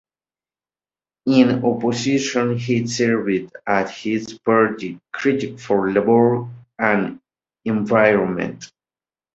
In opposition, he served as his party's critic for Labour and Environment.